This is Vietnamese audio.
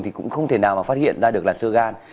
thì cũng không thể nào mà phát hiện ra được là sơ gan